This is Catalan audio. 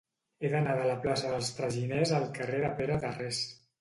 He d'anar de la plaça dels Traginers al carrer de Pere Tarrés.